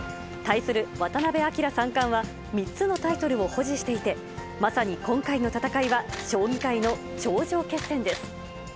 対する渡辺明三冠は、３つのタイトルを保持していて、まさに今回の戦いは将棋界の頂上決戦です。